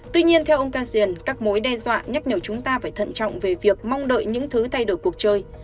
tuy nhiên theo ông cassion các mối đe dọa nhắc nhở chúng ta phải thận trọng về việc mong đợi những thứ thay đổi cuộc chơi